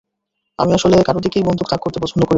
আমি আসলে কারো দিকেই বন্দুক তাক করতে পছন্দ করি না।